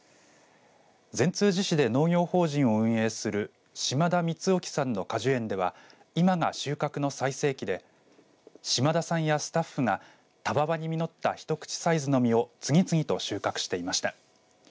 善通寺市で農業法人を運営する島田満沖さんの果樹園では今が収穫の最盛期で島田さんやスタッフがたわわに実ったひとくちサイズの実を次々と収穫していました。